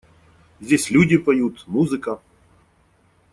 Здесь люди поют… музыка.